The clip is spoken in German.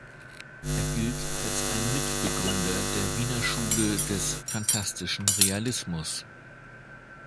Er gilt als ein Mitbegründer der Wiener Schule des Phantastischen Realismus.